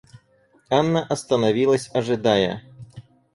Анна остановилась ожидая.